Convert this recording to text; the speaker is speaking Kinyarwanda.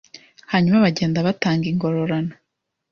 Hanyuma bagenda batanga ingororano